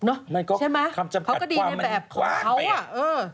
คำจำกัดความมันกว้างไปใช่ไหมเขาก็ดีในแบบเขาอ่ะเออ